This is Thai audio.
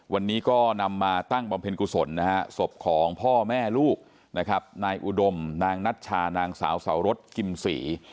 วันนี้ก็นำมาตั้งบำเพ็ญกุศลนะฮะศพของพ่อแม่ลูกนะครับนายอุดมนางนัชชานางสาวสาวรสกิมศรี